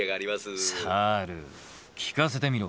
猿聞かせてみろ。